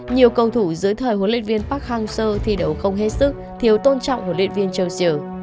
nhiều cầu thủ dưới thời huấn luyện viên park hang seo thi đấu không hết sức thiếu tôn trọng huấn luyện viên châu diều